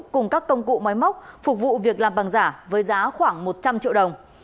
cùng các công cụ máy móc phục vụ việc làm bằng giả với giá khoảng một trăm linh triệu đồng